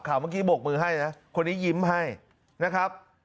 เมื่อกี้บกมือให้นะคนนี้ยิ้มให้นะครับ